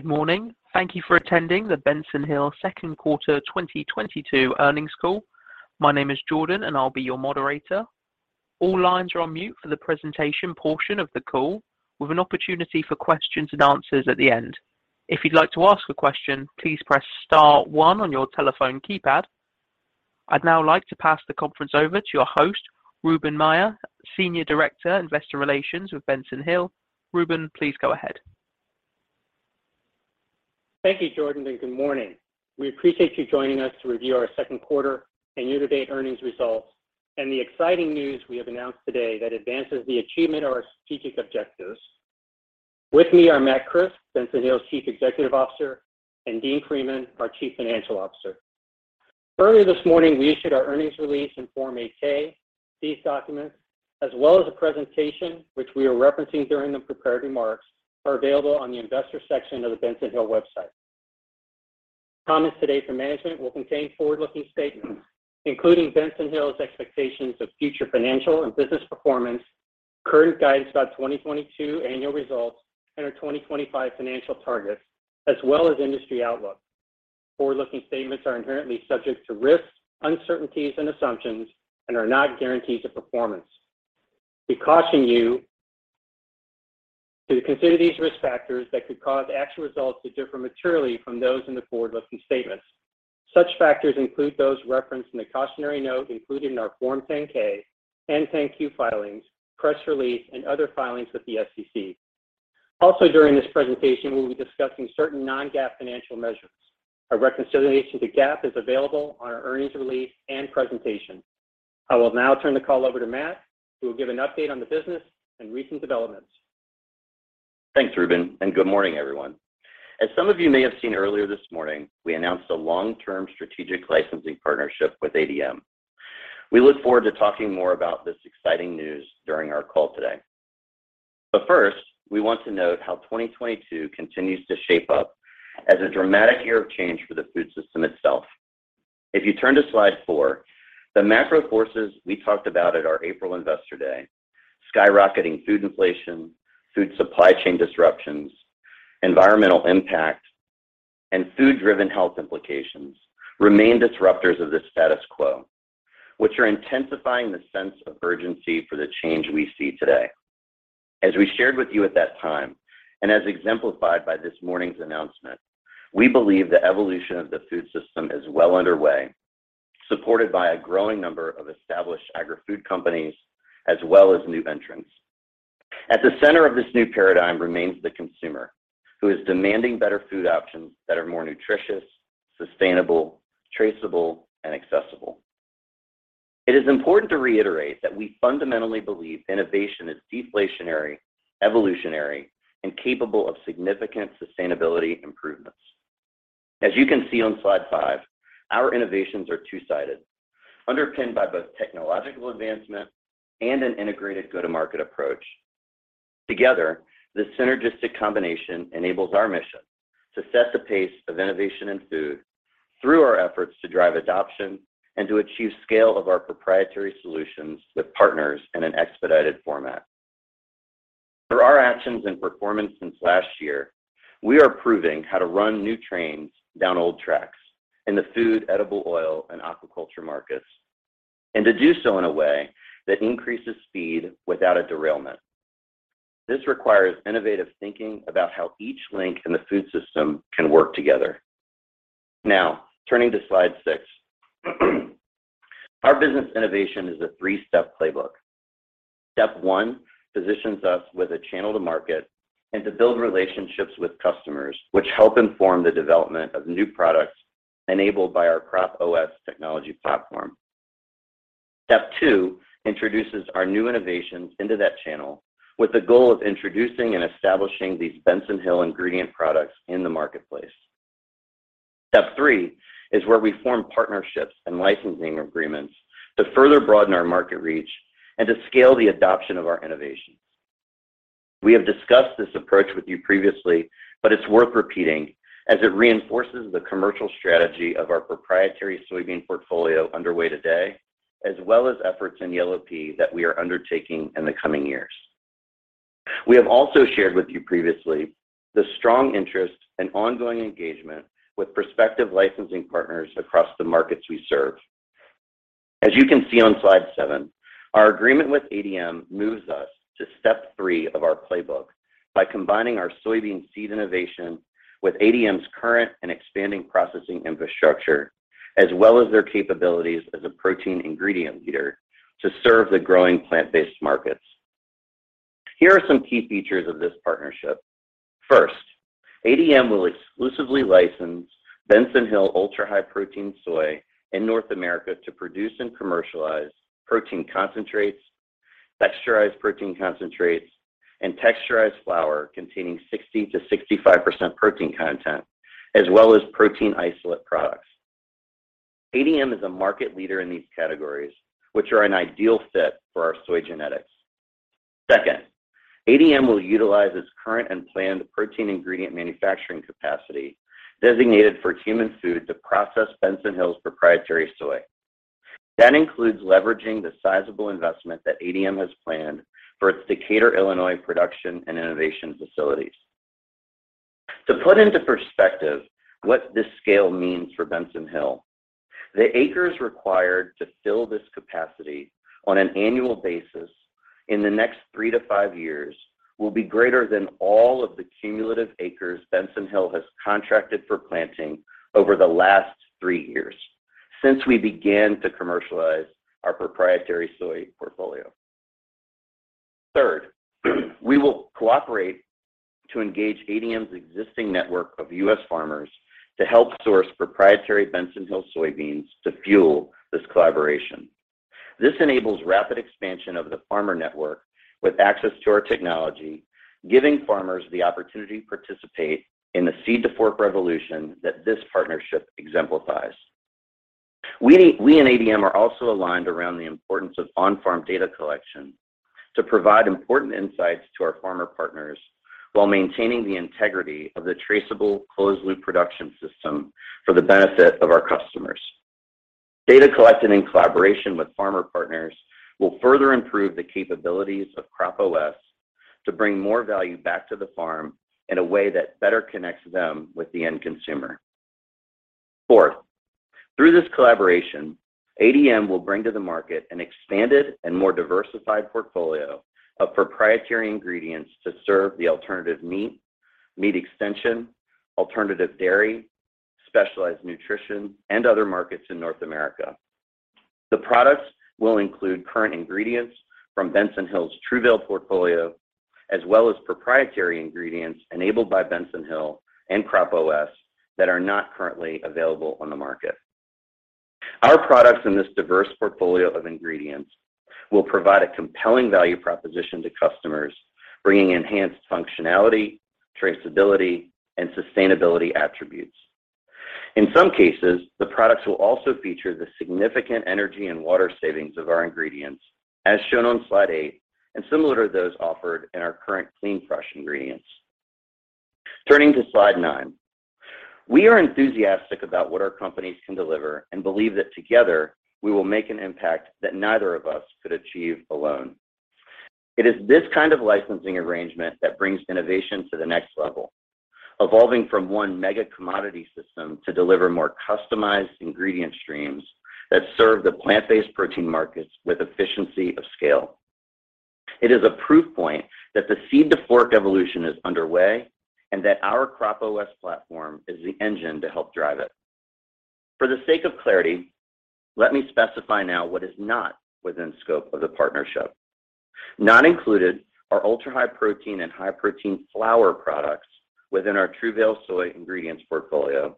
Good morning. Thank you for attending the Benson Hill Second Quarter 2022 Earnings Call. My name is Jordan, and I'll be your moderator. All lines are on mute for the presentation portion of the call, with an opportunity for questions and answers at the end. If you'd like to ask a question, please press star one on your telephone keypad. I'd now like to pass the conference over to your host, Ruben Mella, Senior Director of Investor Relations with Benson Hill. Ruben, please go ahead. Thank you, Jordan, and good morning. We appreciate you joining us to review our Second Quarter and Year-to-date Earnings Results and the exciting news we have announced today that advances the achievement of our strategic objectives. With me are Matt Crisp, Benson Hill's Chief Executive Officer, and Dean Freeman, our Chief Financial Officer. Earlier this morning, we issued our earnings release in Form 8-K. These documents, as well as a presentation which we are referencing during the prepared remarks, are available on the investor section of the Benson Hill website. Comments today from management will contain forward-looking statements, including Benson Hill's expectations of future financial and business performance, current guidance about 2022 annual results, and our 2025 financial targets, as well as industry outlook. Forward-looking statements are inherently subject to risks, uncertainties and assumptions and are not guarantees of performance. We caution you to consider these risk factors that could cause actual results to differ materially from those in the forward-looking statements. Such factors include those referenced in the cautionary note included in our Form 10-K and 10-Q filings, press release and other filings with the SEC. Also during this presentation, we'll be discussing certain non-GAAP financial measures. A reconciliation to GAAP is available on our earnings release and presentation. I will now turn the call over to Matt, who will give an update on the business and recent developments. Thanks, Ruben, and good morning, everyone. As some of you may have seen earlier this morning, we announced a long-term strategic licensing partnership with ADM. We look forward to talking more about this exciting news during our call today. First, we want to note how 2022 continues to shape up as a dramatic year of change for the food system itself. If you turn to slide four, the macro forces we talked about at our April Investor Day, skyrocketing food inflation, food supply chain disruptions, environmental impact, and food-driven health implications remain disruptors of the status quo, which are intensifying the sense of urgency for the change we see today. As we shared with you at that time, and as exemplified by this morning's announcement, we believe the evolution of the food system is well underway, supported by a growing number of established agri-food companies as well as new entrants. At the center of this new paradigm remains the consumer, who is demanding better food options that are more nutritious, sustainable, traceable and accessible. It is important to reiterate that we fundamentally believe innovation is deflationary, evolutionary, and capable of significant sustainability improvements. As you can see on slide five, our innovations are two-sided, underpinned by both technological advancement and an integrated go-to-market approach. Together, this synergistic combination enables our mission to set the pace of innovation in food through our efforts to drive adoption and to achieve scale of our proprietary solutions with partners in an expedited format. Through our actions and performance since last year, we are proving how to run new trains down old tracks in the food, edible oil, and aquaculture markets, and to do so in a way that increases speed without a derailment. This requires innovative thinking about how each link in the food system can work together. Now, turning to slide six. Our business innovation is a three-step playbook. Step one positions us with a channel to market and to build relationships with customers which help inform the development of new products enabled by our CropOS technology platform. Step two introduces our new innovations into that channel with the goal of introducing and establishing these Benson Hill ingredient products in the marketplace. Step three is where we form partnerships and licensing agreements to further broaden our market reach and to scale the adoption of our innovations. We have discussed this approach with you previously, but it's worth repeating as it reinforces the commercial strategy of our proprietary soybean portfolio underway today, as well as efforts in yellow pea that we are undertaking in the coming years. We have also shared with you previously the strong interest and ongoing engagement with prospective licensing partners across the markets we serve. As you can see on slide seven, our agreement with ADM moves us to step three of our playbook by combining our soybean seed innovation with ADM's current and expanding processing infrastructure, as well as their capabilities as a protein ingredient leader to serve the growing plant-based markets. Here are some key features of this partnership. First, ADM will exclusively license Benson Hill ultra-high protein soy in North America to produce and commercialize protein concentrates, texturized protein concentrates, and texturized flour containing 60%-65% protein content, as well as protein isolate products. ADM is a market leader in these categories, which are an ideal fit for our soy genetics. Second, ADM will utilize its current and planned protein ingredient manufacturing capacity designated for human food to process Benson Hill's proprietary soy. That includes leveraging the sizable investment that ADM has planned for its Decatur, Illinois, production and innovation facilities. To put into perspective what this scale means for Benson Hill, the acres required to fill this capacity on an annual basis in the next three to five years will be greater than all of the cumulative acres Benson Hill has contracted for planting over the last three years since we began to commercialize our proprietary soy portfolio. Third, we will cooperate to engage ADM's existing network of U.S. farmers to help source proprietary Benson Hill soybeans to fuel this collaboration. This enables rapid expansion of the farmer network with access to our technology, giving farmers the opportunity to participate in the seed-to-fork revolution that this partnership exemplifies. We and ADM are also aligned around the importance of on-farm data collection to provide important insights to our farmer partners while maintaining the integrity of the traceable, closed-loop production system for the benefit of our customers. Data collected in collaboration with farmer partners will further improve the capabilities of CropOS to bring more value back to the farm in a way that better connects them with the end consumer. Fourth, through this collaboration, ADM will bring to the market an expanded and more diversified portfolio of proprietary ingredients to serve the alternative meat extension, alternative dairy, specialized nutrition, and other markets in North America. The products will include current ingredients from Benson Hill's TruVail portfolio, as well as proprietary ingredients enabled by Benson Hill and CropOS that are not currently available on the market. Our products in this diverse portfolio of ingredients will provide a compelling value proposition to customers, bringing enhanced functionality, traceability, and sustainability attributes. In some cases, the products will also feature the significant energy and water savings of our ingredients, as shown on slide eight, and similar to those offered in our current clean, fresh ingredients. Turning to slide nine. We are enthusiastic about what our companies can deliver and believe that together we will make an impact that neither of us could achieve alone. It is this kind of licensing arrangement that brings innovation to the next level, evolving from one mega-commodity system to deliver more customized ingredient streams that serve the plant-based protein markets with efficiency of scale. It is a proof point that the seed-to-fork evolution is underway and that our CropOS platform is the engine to help drive it. For the sake of clarity, let me specify now what is not within scope of the partnership. Not included are ultra-high-protein and high-protein flour products within our TruVail Soy Ingredients portfolio,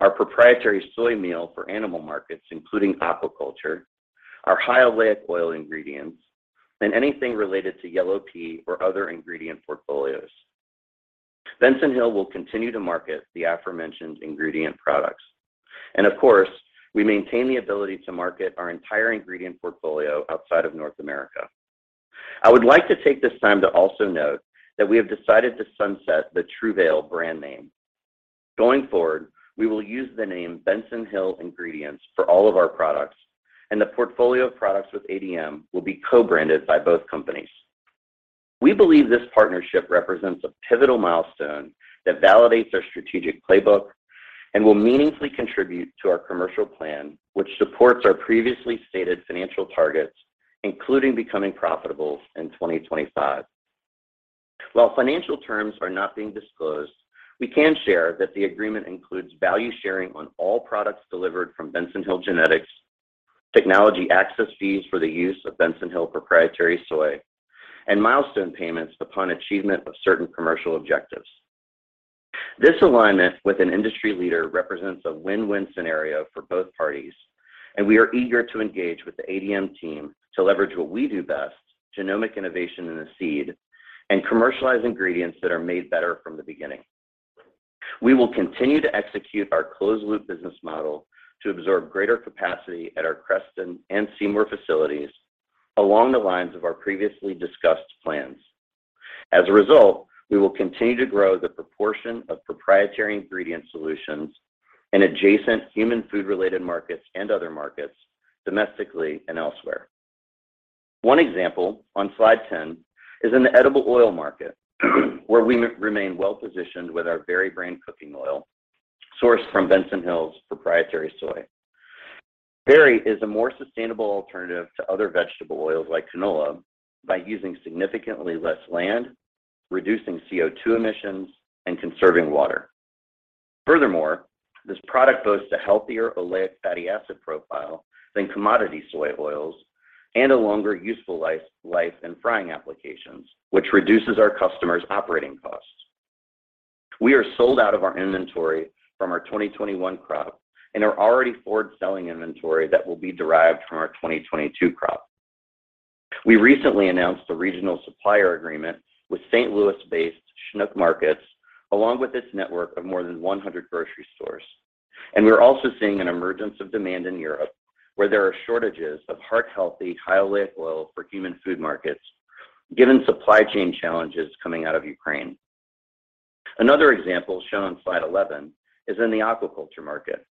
our proprietary soy meal for animal markets, including aquaculture, our high oleic oil ingredients, and anything related to yellow pea or other ingredient portfolios. Benson Hill will continue to market the aforementioned ingredient products. Of course, we maintain the ability to market our entire ingredient portfolio outside of North America. I would like to take this time to also note that we have decided to sunset the TruVail brand name. Going forward, we will use the name Benson Hill Ingredients for all of our products, and the portfolio of products with ADM will be co-branded by both companies. We believe this partnership represents a pivotal milestone that validates our strategic playbook and will meaningfully contribute to our commercial plan, which supports our previously stated financial targets, including becoming profitable in 2025. While financial terms are not being disclosed, we can share that the agreement includes value sharing on all products delivered from Benson Hill Genetics, technology access fees for the use of Benson Hill proprietary soy, and milestone payments upon achievement of certain commercial objectives. This alignment with an industry leader represents a win-win scenario for both parties, and we are eager to engage with the ADM team to leverage what we do best, genomic innovation in the seed, and commercialize ingredients that are made better from the beginning. We will continue to execute our closed-loop business model to absorb greater capacity at our Creston and Seymour facilities along the lines of our previously discussed plans. As a result, we will continue to grow the proportion of proprietary ingredient solutions in adjacent human food-related markets and other markets, domestically and elsewhere. One example on slide 10 is in the edible oil market where we remain well-positioned with our Veri brand cooking oil sourced from Benson Hill's proprietary soy. Veri is a more sustainable alternative to other vegetable oils like canola by using significantly less land, reducing CO₂ emissions, and conserving water. Furthermore, this product boasts a healthier oleic fatty acid profile than commodity soy oils and a longer useful life in frying applications, which reduces our customers' operating costs. We are sold out of our inventory from our 2021 crop and are already forward-selling inventory that will be derived from our 2022 crop. We recently announced a regional supplier agreement with St. Louis-based Schnuck Markets, along with its network of more than 100 grocery stores. We're also seeing an emergence of demand in Europe, where there are shortages of heart-healthy, high oleic oil for human food markets, given supply chain challenges coming out of Ukraine. Another example shown on slide 11 is in the aquaculture market,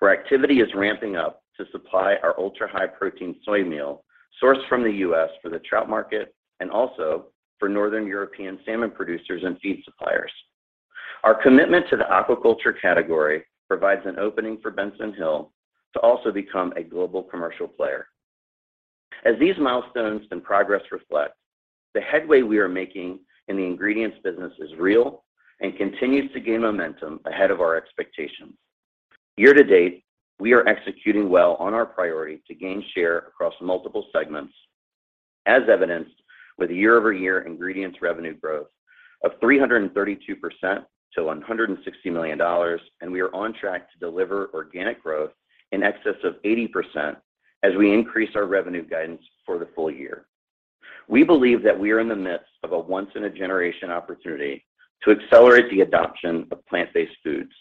where activity is ramping up to supply our ultra-high protein soy meal sourced from the U.S. for the trout market and also for northern European salmon producers and feed suppliers. Our commitment to the aquaculture category provides an opening for Benson Hill to also become a global commercial player. As these milestones and progress reflect, the headway we are making in the ingredients business is real and continues to gain momentum ahead of our expectations. Year to date, we are executing well on our priority to gain share across multiple segments as evidenced with a year-over-year ingredients revenue growth of 332% to $160 million, and we are on track to deliver organic growth in excess of 80% as we increase our revenue guidance for the full year. We believe that we are in the midst of a once-in-a-generation opportunity to accelerate the adoption of plant-based foods,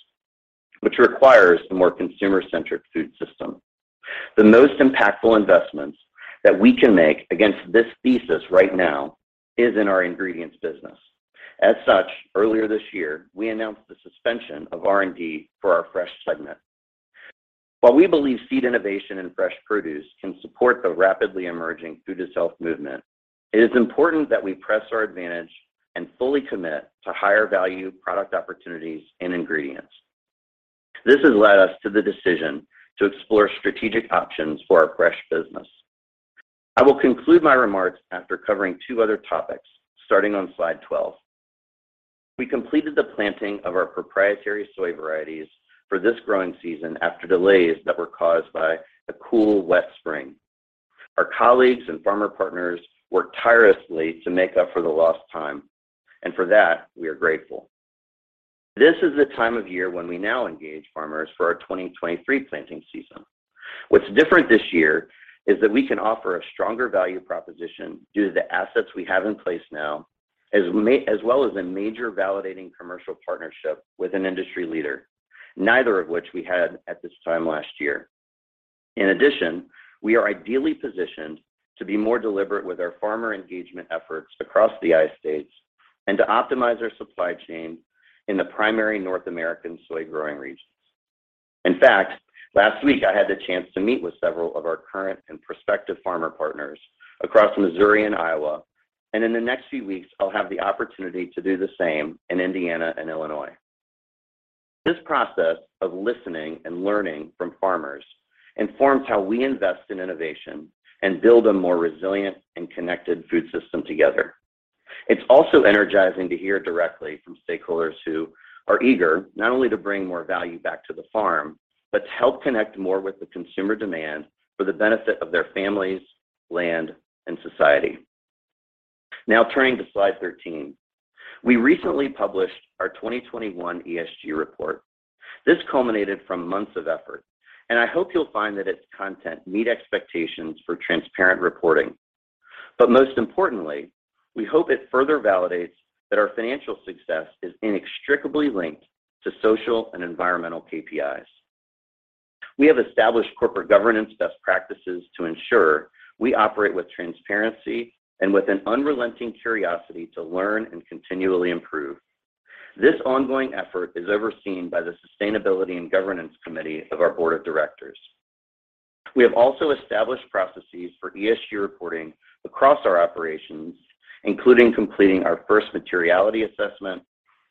which requires a more consumer-centric food system. The most impactful investments that we can make against this thesis right now is in our ingredients business. As such, earlier this year, we announced the suspension of R&D for our fresh segment. While we believe seed innovation and fresh produce can support the rapidly emerging food-as-health movement, it is important that we press our advantage and fully commit to higher value product opportunities in ingredients. This has led us to the decision to explore strategic options for our fresh business. I will conclude my remarks after covering two other topics, starting on slide 12. We completed the planting of our proprietary soy varieties for this growing season after delays that were caused by a cool, wet spring. Our colleagues and farmer partners worked tirelessly to make up for the lost time, and for that, we are grateful. This is the time of year when we now engage farmers for our 2023 planting season. What's different this year is that we can offer a stronger value proposition due to the assets we have in place now, as well as a major validating commercial partnership with an industry leader, neither of which we had at this time last year. In addition, we are ideally positioned to be more deliberate with our farmer engagement efforts across the I states and to optimize our supply chain in the primary North American soy growing regions. In fact, last week I had the chance to meet with several of our current and prospective farmer partners across Missouri and Iowa, and in the next few weeks I'll have the opportunity to do the same in Indiana and Illinois. This process of listening and learning from farmers informs how we invest in innovation and build a more resilient and connected food system together. It's also energizing to hear directly from stakeholders who are eager not only to bring more value back to the farm, but to help connect more with the consumer demand for the benefit of their families, land, and society. Now turning to slide 13. We recently published our 2021 ESG report. This culminated from months of effort, and I hope you'll find that its content meet expectations for transparent reporting. Most importantly, we hope it further validates that our financial success is inextricably linked to social and environmental KPIs. We have established corporate governance best practices to ensure we operate with transparency and with an unrelenting curiosity to learn and continually improve. This ongoing effort is overseen by the Sustainability and Governance Committee of our Board of Directors. We have also established processes for ESG reporting across our operations, including completing our first materiality assessment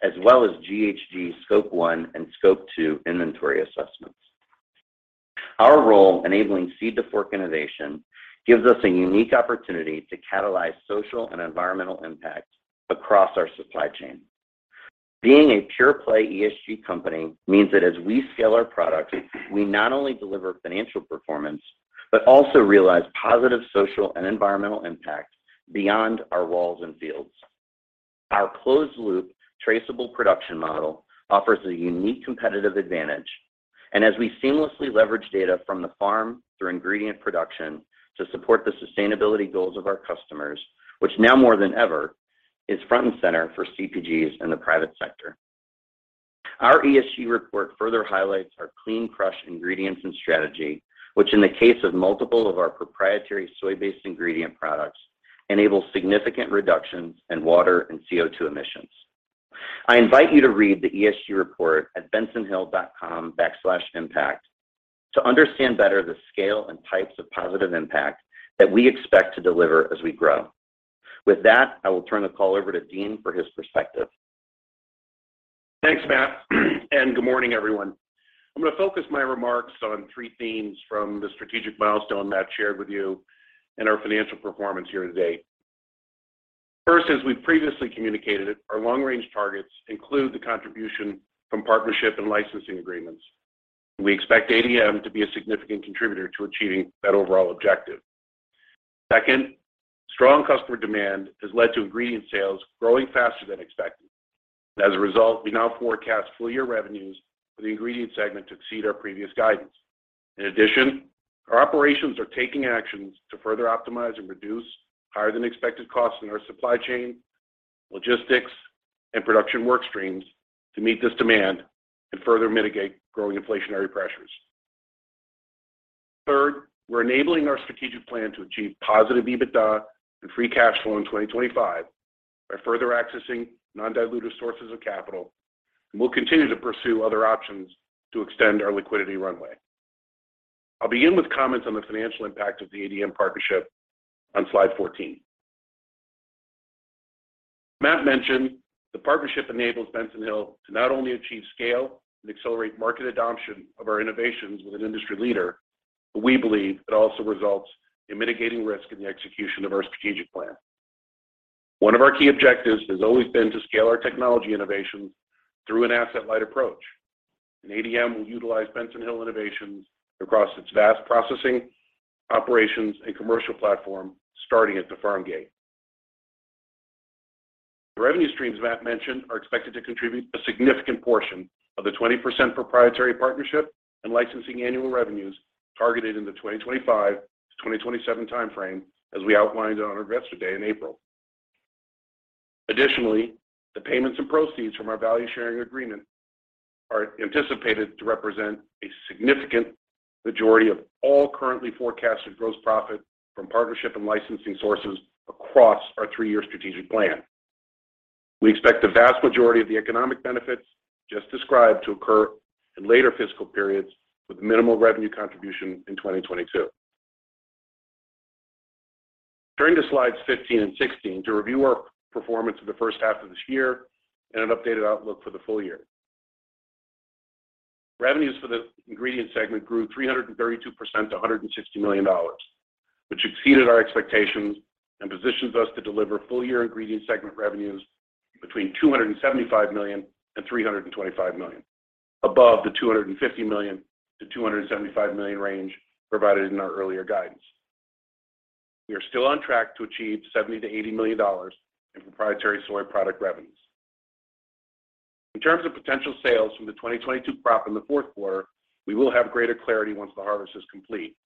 as well as GHG Scope 1 and Scope 2 inventory assessments. Our role enabling seed-to-fork innovation gives us a unique opportunity to catalyze social and environmental impact across our supply chain. Being a pure-play ESG company means that as we scale our products, we not only deliver financial performance, but also realize positive social and environmental impact beyond our walls and fields. Our closed-loop traceable production model offers a unique competitive advantage and as we seamlessly leverage data from the farm through ingredient production to support the sustainability goals of our customers, which now more than ever is front and center for CPGs in the private sector. Our ESG report further highlights our CleanCRUSH ingredients and strategy, which in the case of multiple of our proprietary soy-based ingredient products, enables significant reductions in water and CO2 emissions. I invite you to read the ESG report at bensonhill.com/impact to understand better the scale and types of positive impact that we expect to deliver as we grow. With that, I will turn the call over to Dean for his perspective. Thanks, Matt, and good morning, everyone. I'm gonna focus my remarks on three themes from the strategic milestone Matt shared with you and our financial performance year to date. First, as we previously communicated it, our long-range targets include the contribution from partnership and licensing agreements. We expect ADM to be a significant contributor to achieving that overall objective. Second, strong customer demand has led to ingredient sales growing faster than expected. As a result, we now forecast full-year revenues for the ingredients segment to exceed our previous guidance. In addition, our operations are taking actions to further optimize and reduce higher than expected costs in our supply chain, logistics, and production work streams to meet this demand and further mitigate growing inflationary pressures. We're enabling our strategic plan to achieve positive EBITDA and free cash flow in 2025 by further accessing non-dilutive sources of capital, and we'll continue to pursue other options to extend our liquidity runway. I'll begin with comments on the financial impact of the ADM partnership on slide 14. Matt mentioned the partnership enables Benson Hill to not only achieve scale and accelerate market adoption of our innovations with an industry leader, but we believe it also results in mitigating risk in the execution of our strategic plan. One of our key objectives has always been to scale our technology innovations through an asset-light approach, and ADM will utilize Benson Hill innovations across its vast processing operations and commercial platform starting at the farm gate. The revenue streams Matt mentioned are expected to contribute a significant portion of the 20% proprietary partnership and licensing annual revenues targeted in the 2025-2027 time frame, as we outlined on our investor day in April. Additionally, the payments and proceeds from our value sharing agreement are anticipated to represent a significant majority of all currently forecasted gross profit from partnership and licensing sources across our three-year strategic plan. We expect the vast majority of the economic benefits just described to occur in later fiscal periods with minimal revenue contribution in 2022. Turning to slides 15 and 16 to review our performance for the first half of this year and an updated outlook for the full year. Revenues for the ingredients segment grew 332% to $160 million, which exceeded our expectations and positions us to deliver full year ingredients segment revenues between $275 million and $325 million above the $250 million-$275 million range provided in our earlier guidance. We are still on track to achieve $70 million-$80 million in proprietary soy product revenues. In terms of potential sales from the 2022 crop in the fourth quarter, we will have greater clarity once the harvest is complete.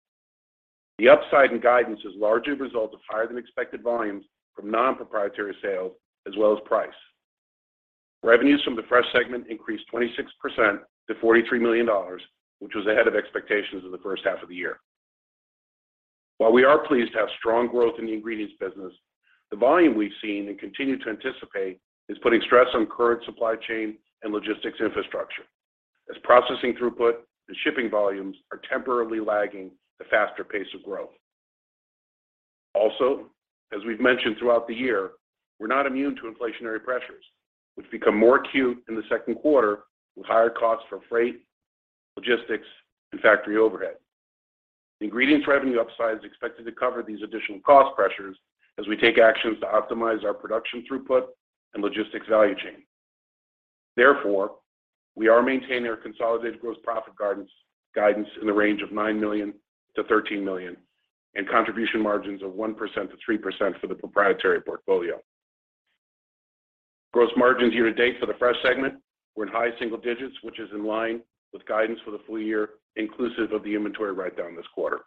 The upside in guidance is largely a result of higher than expected volumes from non-proprietary sales as well as price. Revenues from the fresh segment increased 26% to $43 million, which was ahead of expectations in the first half of the year. While we are pleased to have strong growth in the ingredients business, the volume we've seen and continue to anticipate is putting stress on current supply chain and logistics infrastructure as processing throughput and shipping volumes are temporarily lagging the faster pace of growth. Also, as we've mentioned throughout the year, we're not immune to inflationary pressures, which become more acute in the second quarter with higher costs for freight, logistics, and factory overhead. The ingredients revenue upside is expected to cover these additional cost pressures as we take actions to optimize our production throughput and logistics value chain. Therefore, we are maintaining our consolidated gross profit guidance in the range of $9 million-$13 million and contribution margins of 1%-3% for the proprietary portfolio. Gross margins year to date for the fresh segment were in high single digits, which is in line with guidance for the full year inclusive of the inventory write-down this quarter.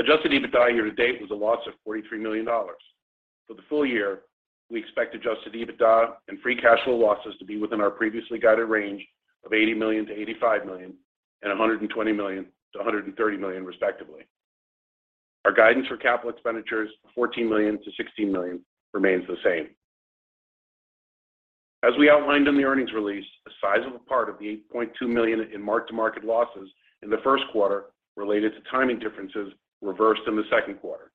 Adjusted EBITDA year to date was a loss of $43 million. For the full year, we expect Adjusted EBITDA and free cash flow losses to be within our previously guided range of $80 million-$85 million and $120 million-$130 million, respectively. Our guidance for capital expenditures of $14 million-$16 million remains the same. As we outlined in the earnings release, a sizable part of the $8.2 million in mark-to-market losses in the first quarter related to timing differences reversed in the second quarter.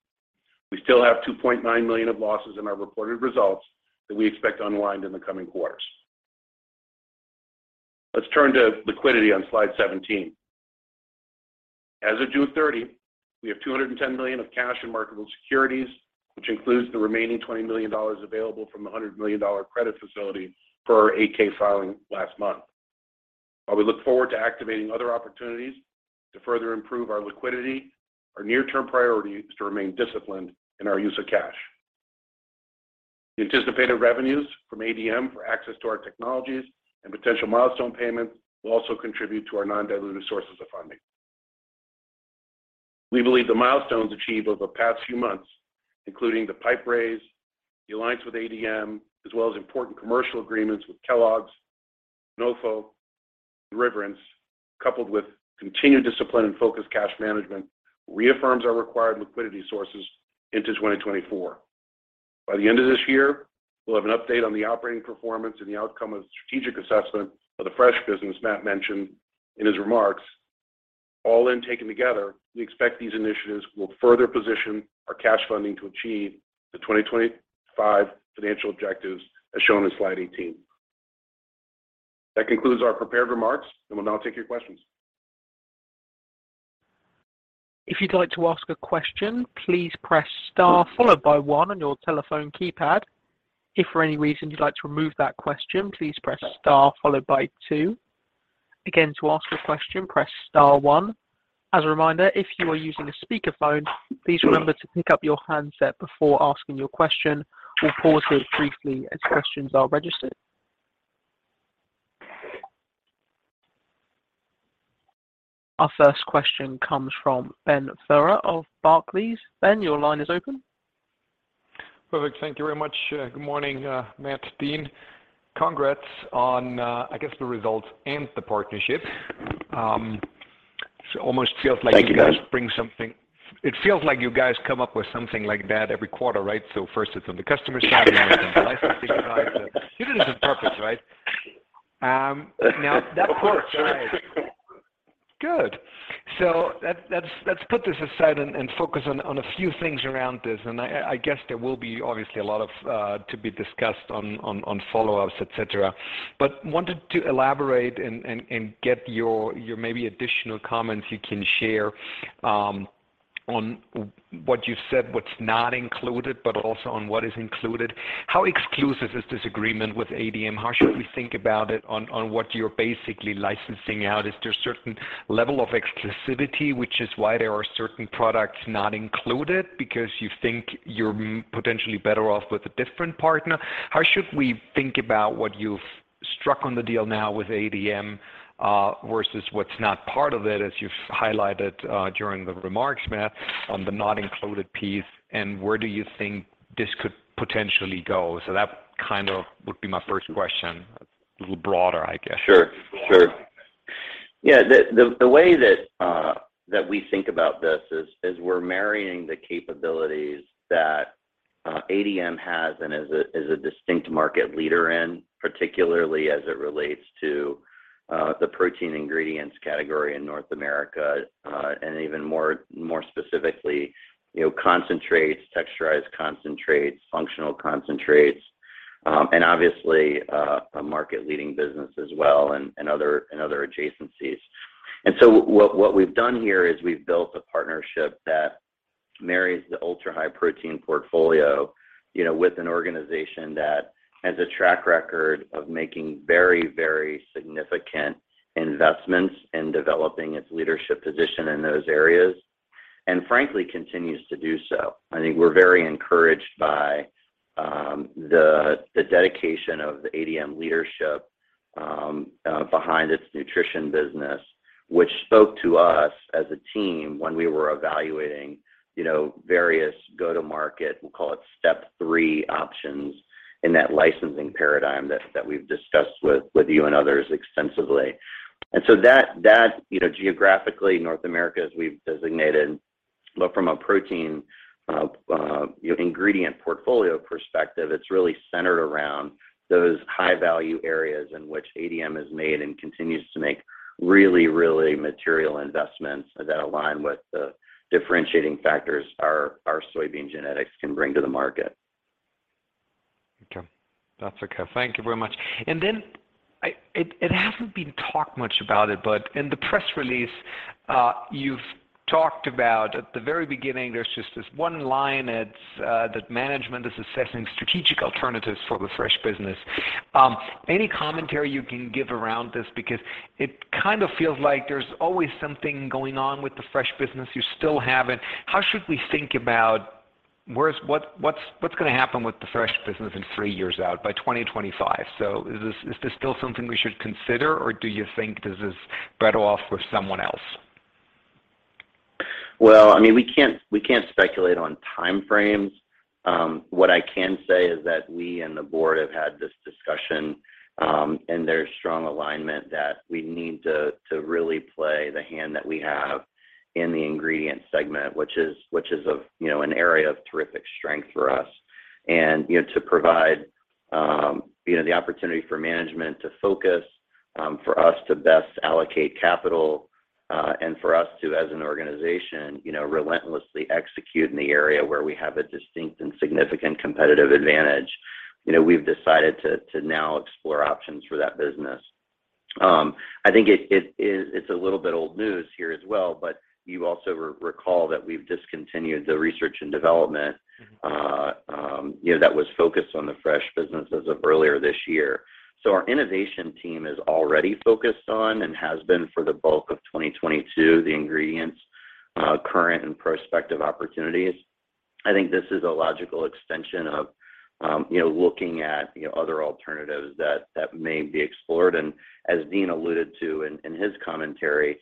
We still have $2.9 million of losses in our reported results that we expect to unwind in the coming quarters. Let's turn to liquidity on slide 17. As of June 30, we have $210 million of cash and marketable securities, which includes the remaining $20 million available from the $100 million credit facility per our 8-K filing last month. While we look forward to activating other opportunities to further improve our liquidity, our near-term priority is to remain disciplined in our use of cash. The anticipated revenues from ADM for access to our technologies and potential milestone payments will also contribute to our non-dilutive sources of funding. We believe the milestones achieved over the past few months, including the PIPE raise, the alliance with ADM, as well as important commercial agreements with Kellogg's, Denofa, and Riverence, coupled with continued discipline and focused cash management, reaffirms our required liquidity sources into 2024. By the end of this year, we'll have an update on the operating performance and the outcome of the strategic assessment of the fresh business Matt mentioned in his remarks. All in taken together, we expect these initiatives will further position our cash funding to achieve the 2025 financial objectives as shown in slide 18. That concludes our prepared remarks, and we'll now take your questions. If you'd like to ask a question, please press Star followed by one on your telephone keypad. If for any reason you'd like to remove that question, please press Star followed by two. Again, to ask a question, press Star one. As a reminder, if you are using a speakerphone, please remember to pick up your handset before asking your question. We'll pause it briefly as questions are registered. Our first question comes from Ben Theurer of Barclays. Ben, your line is open. Perfect. Thank you very much. Good morning, Matt, Dean. Congrats on, I guess the results and the partnership. Almost feels like you guys bring something. It feels like you guys come up with something like that every quarter, right? First it's on the customer side, now it's on the licensing side. You did it with purpose, right? Now that Of course, right. Good. So let's put this aside and focus on a few things around this. I guess there will be obviously a lot of to be discussed on follow-ups, et cetera. Wanted to elaborate and get your maybe additional comments you can share on what you said, what's not included, but also on what is included. How exclusive is this agreement with ADM? How should we think about it on what you're basically licensing out? Is there a certain level of exclusivity, which is why there are certain products not included because you think you're potentially better off with a different partner? How should we think about what you've structured on the deal now with ADM, versus what's not part of it, as you've highlighted, during the remarks, Matt, on the not included piece, and where do you think this could potentially go? That kind of would be my first question. A little broader, I guess. Sure. Yeah. The way that we think about this is we're marrying the capabilities that ADM has and is a distinct market leader in, particularly as it relates to the protein ingredients category in North America, and even more specifically, you know, concentrates, texturized concentrates, functional concentrates, and obviously a market leading business as well and other adjacencies. What we've done here is we've built a partnership that marries the ultra-high protein portfolio, you know, with an organization that has a track record of making very, very significant investments in developing its leadership position in those areas, and frankly, continues to do so. I think we're very encouraged by the dedication of the ADM leadership behind its nutrition business, which spoke to us as a team when we were evaluating, you know, various go-to-market, we'll call it step three options in that licensing paradigm that we've discussed with you and others extensively. That you know, geographically North America, as we've designated, looks from a protein ingredient portfolio perspective, it's really centered around those high-value areas in which ADM has made and continues to make really material investments that align with the differentiating factors our soybean genetics can bring to the market. Okay. That's okay. Thank you very much. It hasn't been talked about much, but in the press release, you've talked about at the very beginning. There's just this one line that management is assessing strategic alternatives for the fresh business. Any commentary you can give around this? It kind of feels like there's always something going on with the fresh business. You still haven't. How should we think about what's gonna happen with the fresh business in three years out by 2025? Is this still something we should consider, or do you think this is better off for someone else? Well, I mean, we can't speculate on time frames. What I can say is that we and the board have had this discussion, and there's strong alignment that we need to really play the hand that we have in the ingredient segment, which is of, you know, an area of terrific strength for us. You know, to provide the opportunity for management to focus, for us to best allocate capital, and for us to, as an organization, you know, relentlessly execute in the area where we have a distinct and significant competitive advantage. You know, we've decided to now explore options for that business. I think it is a little bit old news here as well, but you also recall that we've discontinued the research and development. You know, that was focused on the fresh business as of earlier this year. Our innovation team is already focused on and has been for the bulk of 2022, the ingredients, current and prospective opportunities. I think this is a logical extension of, you know, looking at, you know, other alternatives that may be explored. As Dean alluded to in his commentary,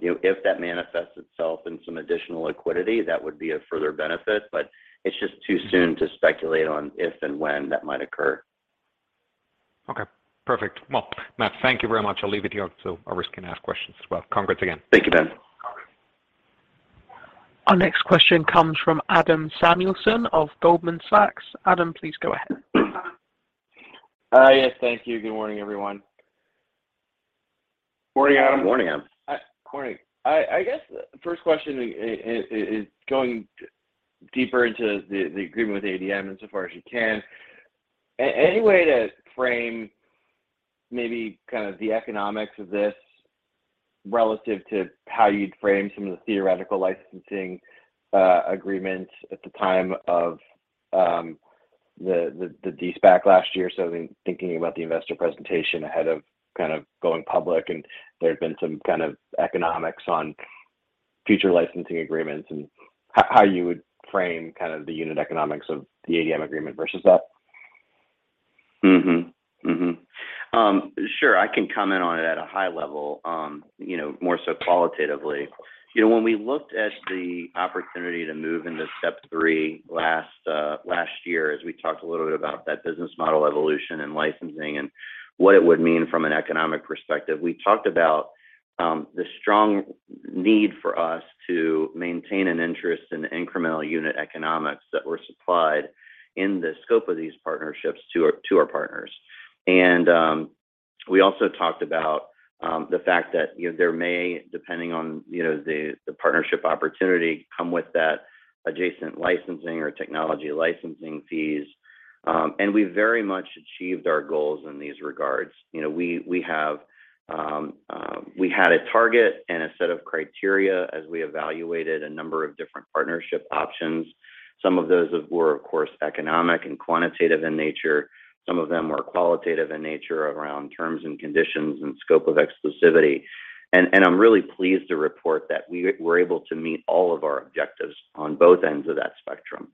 you know, if that manifests itself in some additional liquidity, that would be a further benefit, but it's just too soon to speculate on if and when that might occur. Okay. Perfect. Well, Matt, thank you very much. I'll leave it here so others can ask questions as well. Congrats again. Thank you, Ben. Our next question comes from Adam Samuelson of Goldman Sachs. Adam, please go ahead. Yes. Thank you. Good morning, everyone. Morning, Adam. Morning, Adam. Morning. I guess first question is going deeper into the agreement with ADM and so far as you can. Any way to frame maybe kind of the economics of this relative to how you'd frame some of the theoretical licensing agreements at the time of the SPAC last year. Thinking about the investor presentation ahead of kind of going public, and there had been some kind of economics on future licensing agreements and how you would frame kind of the unit economics of the ADM agreement versus that? Sure, I can comment on it at a high level, you know, more so qualitatively. You know, when we looked at the opportunity to move into step three last year as we talked a little bit about that business model evolution and licensing and what it would mean from an economic perspective, we talked about the strong need for us to maintain an interest in incremental unit economics that were supplied in the scope of these partnerships to our partners. We also talked about the fact that, you know, there may, depending on, you know, the partnership opportunity come with that adjacent licensing or technology licensing fees. We very much achieved our goals in these regards. You know, we had a target and a set of criteria as we evaluated a number of different partnership options. Some of those were of course economic and quantitative in nature. Some of them were qualitative in nature around terms and conditions and scope of exclusivity. I'm really pleased to report that we were able to meet all of our objectives on both ends of that spectrum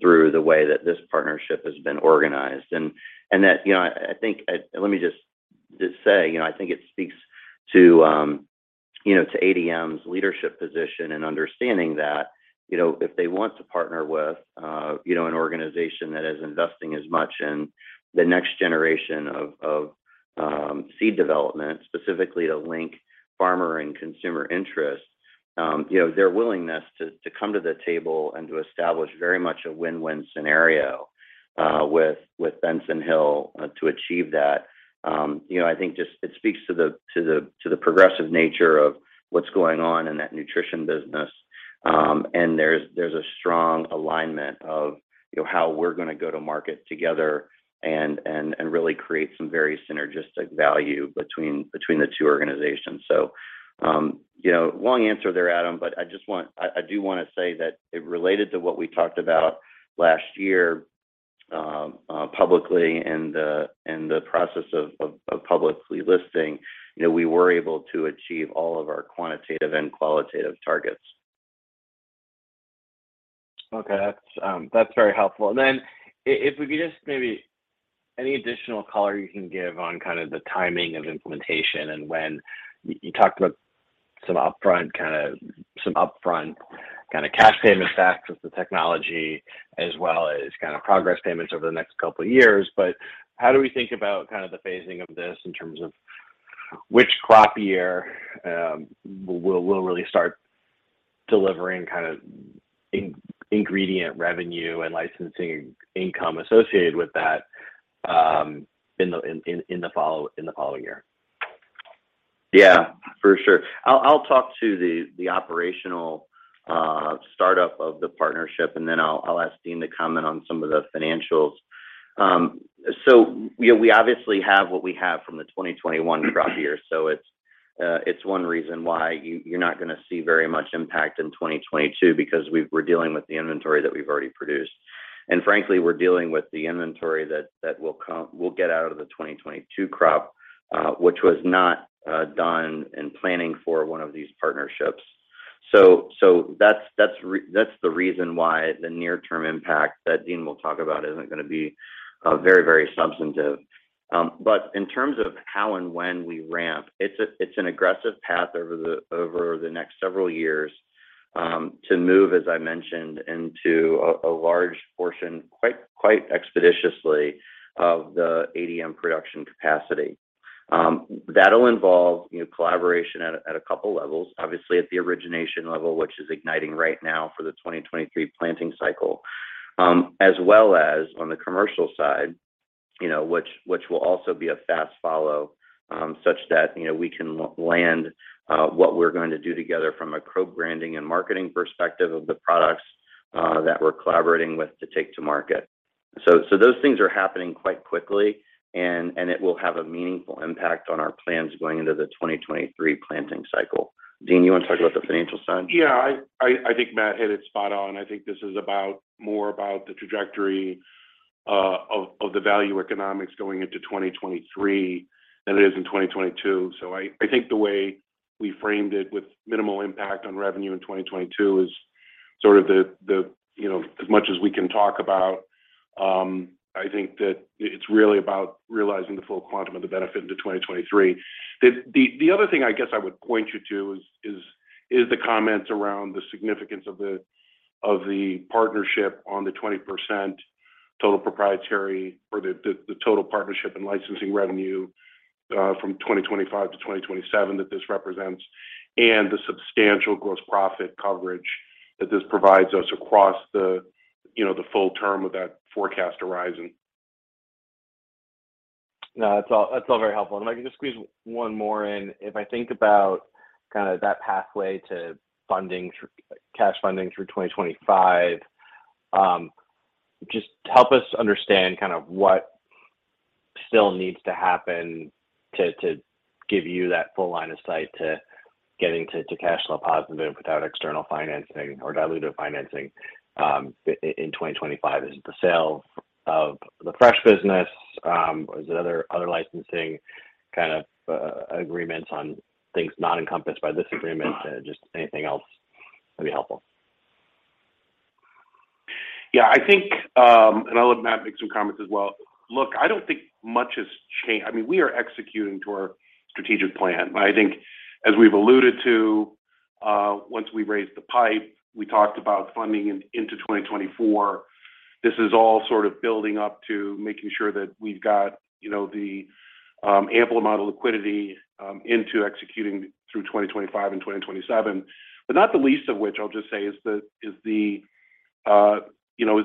through the way that this partnership has been organized. Let me just say, you know, I think it speaks to, you know, to ADM's leadership position and understanding that, you know, if they want to partner with, you know, an organization that is investing as much in the next generation of seed development specifically to link farmer and consumer interest, you know, their willingness to come to the table and to establish very much a win-win scenario, with Benson Hill, to achieve that, you know, I think just it speaks to the progressive nature of what's going on in that nutrition business. There's a strong alignment of, you know, how we're gonna go to market together and really create some very synergistic value between the two organizations. You know, long answer there, Adam, but I do wanna say that it related to what we talked about last year, publicly in the process of publicly listing. You know, we were able to achieve all of our quantitative and qualitative targets. Okay. That's very helpful. Then if we could just maybe any additional color you can give on kind of the timing of implementation and when. You talked about some upfront kind of cash payment stacks with the technology as well as kind of progress payments over the next couple years. How do we think about kind of the phasing of this in terms of which crop year will really start delivering kind of ingredient revenue and licensing income associated with that in the following year? Yeah, for sure. I'll talk to the operational startup of the partnership, and then I'll ask Dean to comment on some of the financials. We obviously have what we have from the 2021 crop year. It's one reason why you're not gonna see very much impact in 2022 because we're dealing with the inventory that we've already produced. Frankly, we're dealing with the inventory that we'll get out of the 2022 crop, which was not done in planning for one of these partnerships. That's the reason why the near term impact that Dean will talk about isn't gonna be very very substantive. In terms of how and when we ramp, it's an aggressive path over the next several years to move, as I mentioned, into a large portion quite expeditiously of the ADM production capacity. That'll involve, you know, collaboration at a couple levels, obviously at the origination level, which is igniting right now for the 2023 planting cycle, as well as on the commercial side, you know, which will also be a fast follow, such that, you know, we can land what we're going to do together from a co-branding and marketing perspective of the products that we're collaborating with to take to market. Those things are happening quite quickly and it will have a meaningful impact on our plans going into the 2023 planting cycle. Dean, you wanna talk about the financial side? Yeah. I think Matt hit it spot on. I think this is about more about the trajectory of the value economics going into 2023 than it is in 2022. I think the way we framed it with minimal impact on revenue in 2022 is sort of the you know as much as we can talk about. I think that it's really about realizing the full quantum of the benefit into 2023. The other thing I guess I would point you to is the comments around the significance of the partnership on the 20% total proprietary or the total partnership and licensing revenue from 2025-2027 that this represents and the substantial gross profit coverage that this provides us across the, you know, the full term of that forecast horizon. No, that's all, that's all very helpful. If I can just squeeze one more in. If I think about kind of that pathway to funding through cash funding through 2025, just help us understand kind of what still needs to happen to give you that full line of sight to getting to cash flow positive without external financing or dilutive financing, in 2025. Is it the sale of the fresh business? Is it other licensing kind of agreements on things not encompassed by this agreement? Just anything else would be helpful. Yeah, I think I'll let Matt make some comments as well. Look, I don't think much has. I mean, we are executing to our strategic plan. I think as we've alluded to, once we raised the PIPE, we talked about funding into 2024. This is all sort of building up to making sure that we've got, you know, the ample amount of liquidity into executing through 2025 and 2027. Not the least of which I'll just say is the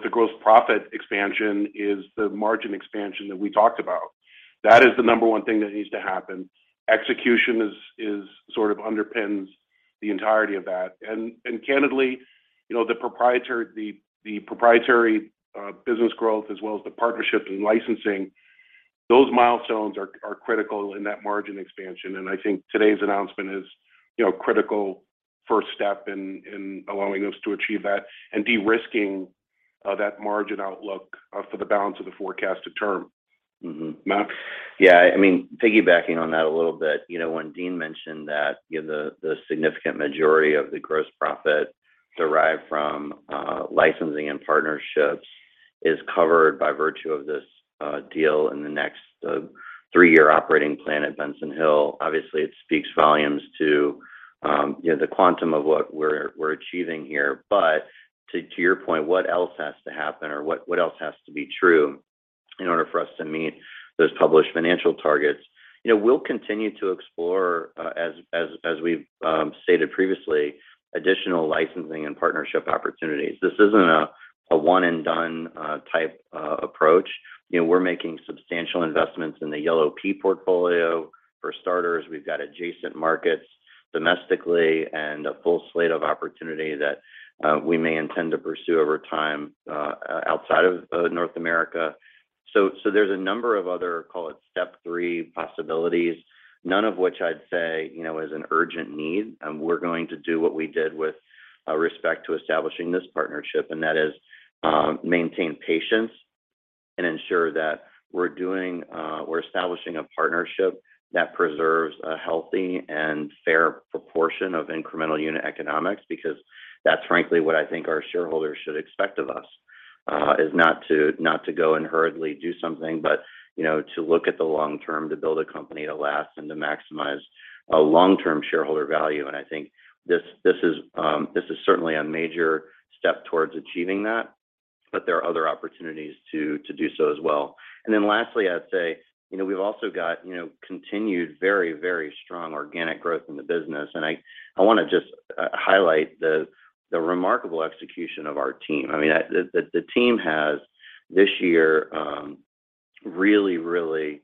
gross profit expansion, is the margin expansion that we talked about. That is the number one thing that needs to happen. Execution is sort of underpins the entirety of that. Candidly, you know, the proprietary business growth as well as the partnership and licensing, those milestones are critical in that margin expansion. I think today's announcement is, you know, critical first step in allowing us to achieve that and de-risking that margin outlook for the balance of the forecasted term. Matt? Yeah. I mean, piggybacking on that a little bit, you know, when Dean mentioned that, you know, the significant majority of the gross profit derived from licensing and partnerships is covered by virtue of this deal in the next three-year operating plan at Benson Hill. Obviously it speaks volumes to you know the quantum of what we're achieving here. To your point, what else has to happen or what else has to be true in order for us to meet those published financial targets? You know, we'll continue to explore as we've stated previously additional licensing and partnership opportunities. This isn't a one and done type approach. You know, we're making substantial investments in the yellow pea portfolio. For starters, we've got adjacent markets domestically and a full slate of opportunity that we may intend to pursue over time outside of North America. There's a number of other, call it step three possibilities, none of which I'd say, you know, is an urgent need. We're going to do what we did with respect to establishing this partnership, and that is maintain patience and ensure that we're establishing a partnership that preserves a healthy and fair proportion of incremental unit economics because that's frankly what I think our shareholders should expect of us is not to go and hurriedly do something, but you know to look at the long term to build a company to last and to maximize long-term shareholder value. I think this is certainly a major step towards achieving that, but there are other opportunities to do so as well. Then lastly, I'd say, you know, we've also got, you know, continued very strong organic growth in the business. I want to just highlight the remarkable execution of our team. I mean, the team has this year really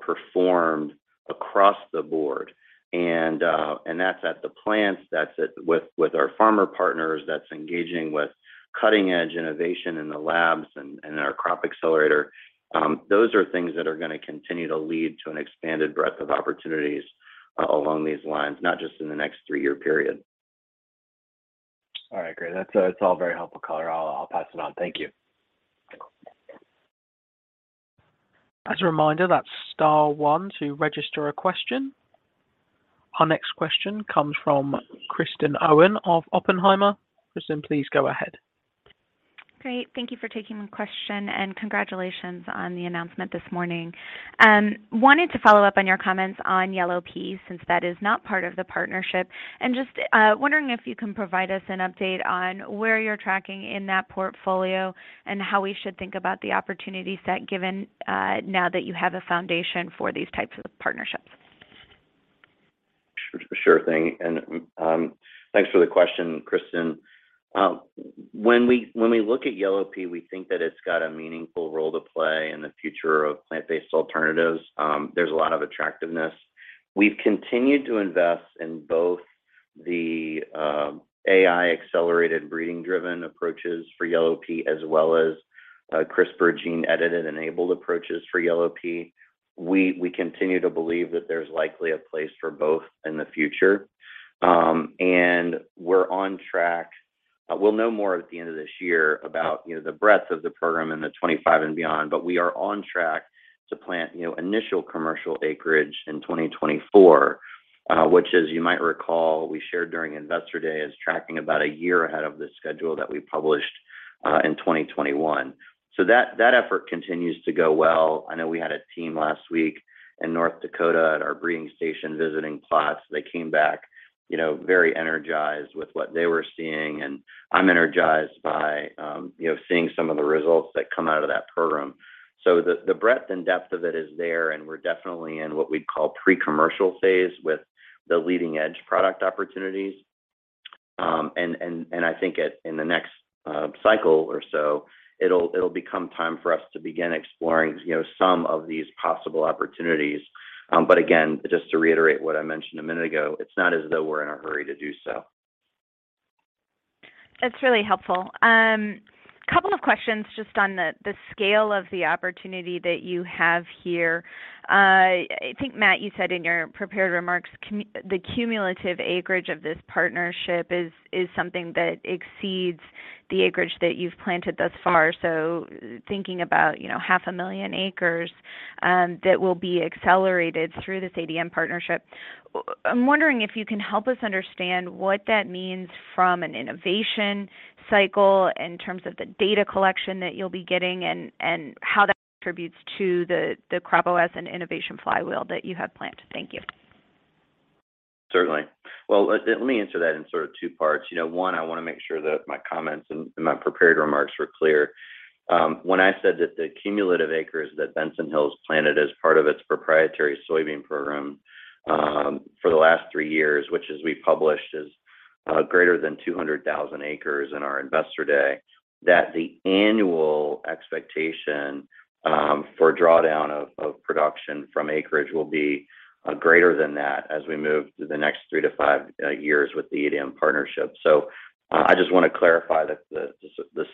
performed across the board. That's at the plants, with our farmer partners, that's engaging with cutting-edge innovation in the labs and our Crop Accelerator. Those are things that are gonna continue to lead to an expanded breadth of opportunities along these lines, not just in the next three-year period. All right, great. That's all very helpful color. I'll pass it on. Thank you. As a reminder, that's star one to register a question. Our next question comes from Kristen Owen of Oppenheimer. Kristen, please go ahead. Great. Thank you for taking the question, and congratulations on the announcement this morning. Wanted to follow up on your comments on yellow pea since that is not part of the partnership. Just wondering if you can provide us an update on where you're tracking in that portfolio and how we should think about the opportunity set given now that you have a foundation for these types of partnerships. Sure thing. Thanks for the question, Kristen. When we look at yellow pea, we think that it's got a meaningful role to play in the future of plant-based alternatives. There's a lot of attractiveness. We've continued to invest in both the AI-accelerated breeding-driven approaches for yellow pea as well as CRISPR gene-edited enabled approaches for yellow pea. We continue to believe that there's likely a place for both in the future. We're on track. We'll know more at the end of this year about, you know, the breadth of the program in the 25 and beyond. We are on track to plant, you know, initial commercial acreage in 2024, which as you might recall we shared during Investor Day is tracking about a year ahead of the schedule that we published in 2021. That effort continues to go well. I know we had a team last week in North Dakota at our breeding station visiting plots. They came back, you know, very energized with what they were seeing, and I'm energized by, you know, seeing some of the results that come out of that program. The breadth and depth of it is there, and we're definitely in what we'd call pre-commercial phase with the leading edge product opportunities. I think in the next cycle or so it'll become time for us to begin exploring, you know, some of these possible opportunities. Again, just to reiterate what I mentioned a minute ago, it's not as though we're in a hurry to do so. That's really helpful. Couple of questions just on the scale of the opportunity that you have here. I think, Matt, you said in your prepared remarks the cumulative acreage of this partnership is something that exceeds the acreage that you've planted thus far. Thinking about, you know, 500,000 acres that will be accelerated through this ADM partnership. I'm wondering if you can help us understand what that means from an innovation cycle in terms of the data collection that you'll be getting and how that contributes to the CropOS and innovation flywheel that you have planned. Thank you. Certainly. Well, let me answer that in sort of two parts. You know, one, I wanna make sure that my comments and my prepared remarks were clear. When I said that the cumulative acres that Benson Hill's planted as part of its proprietary soybean program for the last three years, which as we published is greater than 200,000 acres in our investor day, that the annual expectation for drawdown of production from acreage will be greater than that as we move through the next three to five years with the ADM partnership. I just wanna clarify the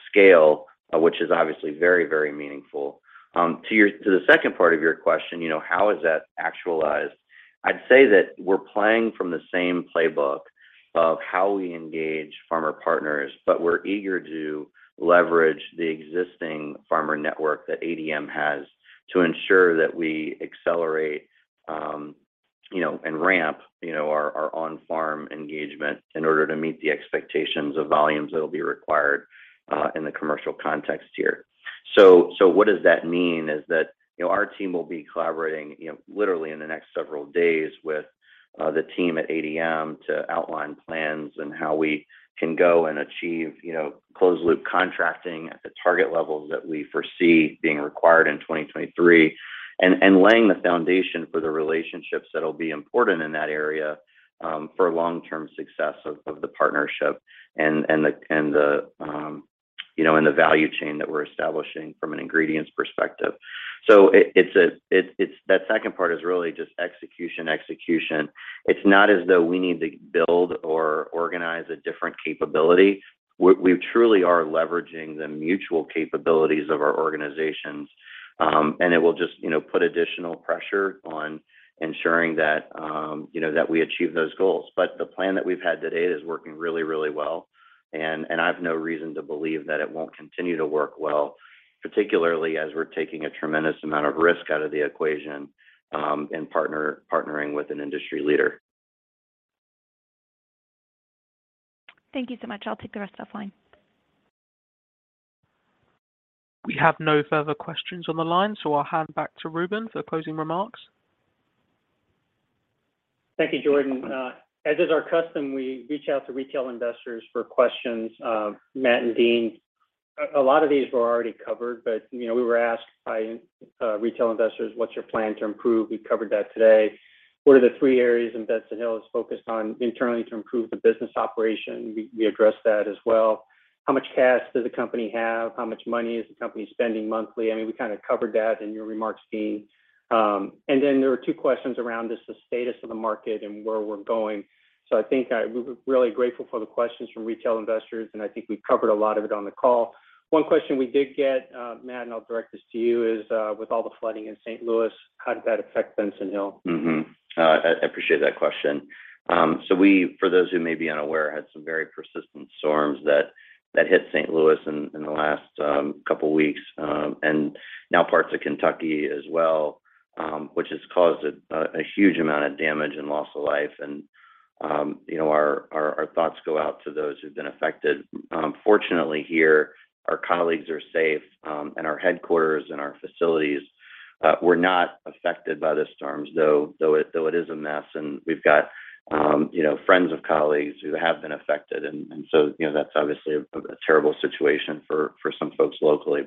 scale, which is obviously very very meaningful. To the second part of your question, you know, how is that actualized? I'd say that we're playing from the same playbook of how we engage farmer partners, but we're eager to leverage the existing farmer network that ADM has to ensure that we accelerate, you know, and ramp, you know, our on-farm engagement in order to meet the expectations of volumes that'll be required in the commercial context here. What does that mean is that, you know, our team will be collaborating, you know, literally in the next several days with the team at ADM to outline plans and how we can go and achieve, you know, closed-loop contracting at the target levels that we foresee being required in 2023. Laying the foundation for the relationships that'll be important in that area for long-term success of the partnership and the value chain that we're establishing from an ingredients perspective. That second part is really just execution. It's not as though we need to build or organize a different capability. We truly are leveraging the mutual capabilities of our organizations. It will just, you know, put additional pressure on ensuring that we achieve those goals. The plan that we've had to date is working really well and I've no reason to believe that it won't continue to work well, particularly as we're taking a tremendous amount of risk out of the equation in partnering with an industry leader. Thank you so much. I'll take the rest offline. We have no further questions on the line, so I'll hand back to Ruben for closing remarks. Thank you, Jordan. As is our custom, we reach out to retail investors for questions. Matt and Dean, a lot of these were already covered, but, you know, we were asked by retail investors, "What's your plan to improve?" We covered that today. "What are the three areas Benson Hill is focused on internally to improve the business operation?" We addressed that as well. "How much cash does the company have? How much money is the company spending monthly?" I mean, we kinda covered that in your remarks, Dean. And then there were two questions around just the status of the market and where we're going. I think we're really grateful for the questions from retail investors, and I think we covered a lot of it on the call. One question we did get, Matt, and I'll direct this to you, is, with all the flooding in St. Louis, how did that affect Benson Hill? I appreciate that question. We, for those who may be unaware, had some very persistent storms that hit St. Louis in the last couple weeks, and now parts of Kentucky as well, which has caused a huge amount of damage and loss of life and, you know, our thoughts go out to those who've been affected. Fortunately, here, our colleagues are safe, and our headquarters and our facilities were not affected by the storms, though it is a mess and we've got, you know, friends of colleagues who have been affected and so, you know, that's obviously a terrible situation for some folks locally.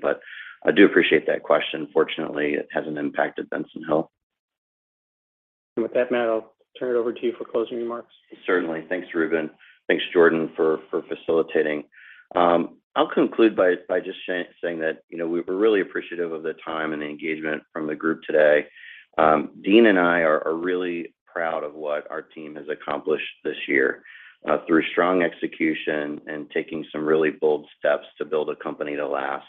I do appreciate that question. Fortunately, it hasn't impacted Benson Hill. With that, Matt, I'll turn it over to you for closing remarks. Certainly. Thanks, Ruben. Thanks, Jordan, for facilitating. I'll conclude by just saying that, you know, we're really appreciative of the time and the engagement from the group today. Dean and I are really proud of what our team has accomplished this year, through strong execution and taking some really bold steps to build a company to last.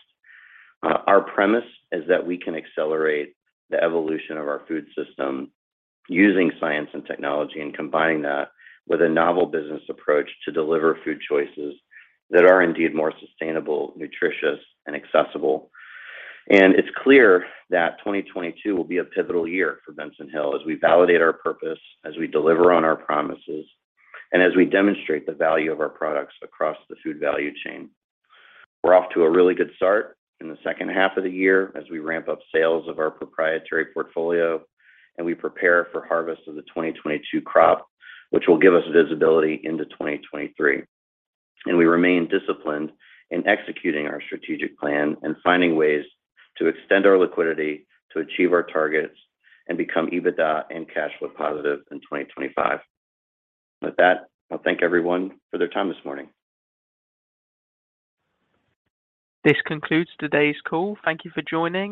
Our premise is that we can accelerate the evolution of our food system using science and technology and combining that with a novel business approach to deliver food choices that are indeed more sustainable, nutritious, and accessible. It's clear that 2022 will be a pivotal year for Benson Hill as we validate our purpose, as we deliver on our promises, and as we demonstrate the value of our products across the food value chain. We're off to a really good start in the second half of the year as we ramp up sales of our proprietary portfolio and we prepare for harvest of the 2022 crop, which will give us visibility into 2023. We remain disciplined in executing our strategic plan and finding ways to extend our liquidity to achieve our targets and become EBITDA and cash flow positive in 2025. With that, I'll thank everyone for their time this morning. This concludes today's call. Thank you for joining.